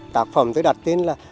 tác phẩm tôi đặt tên là